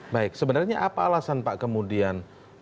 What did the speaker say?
baik sebenarnya apa alasan pak kemudian tetap diberikan